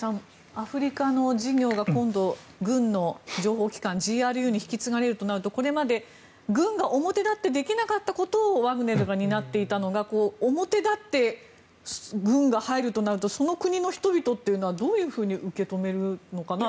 アフリカの事業が今度、軍の情報機関ＧＲＵに引き継がれるとなるとこれまで軍が表立ってできなかったことをワグネルが担っていたのが表立って軍が入るとなるとその国の人々はどういうふうに受け止めるのかなと。